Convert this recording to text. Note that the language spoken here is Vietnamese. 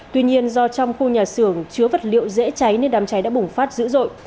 tuy nhiên do trong khu nhà xưởng chứa vật liệu dễ cháy nên đám cháy đã bùng phát dữ dội